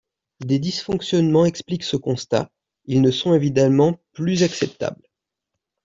Des dysfonctionnements expliquent ce constat, ils ne sont évidemment plus acceptables.